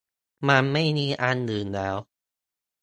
มันไม่มีอันอื่นแล้ว